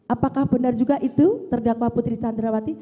apakah benar juga itu terdakwa putri candrawati